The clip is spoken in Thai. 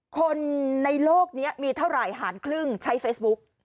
คนในโลกนี้มีเท่าไหร่หารครึ่งใช้เฟซบุ๊ก